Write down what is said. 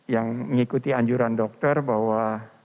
yang mengikuti anjuran dokter bahwa